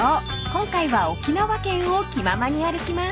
今回は沖縄県を気ままに歩きます］